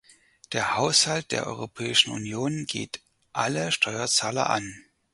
Der Haushalt der Europäischen Union geht alle Steuerzahler an.